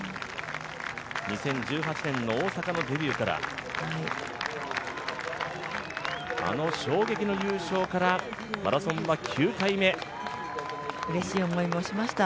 ２０１８年の大阪のデビューからあの衝撃の優勝からうれしい思いもしました。